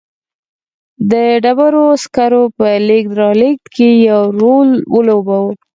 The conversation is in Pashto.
د ډبرو سکرو په لېږد رالېږد کې یې رول ولوباوه.